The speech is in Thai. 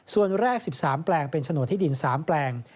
ส่วนแรก๑๓แปลงเป็นโฉนดที่ดิน๓แปลง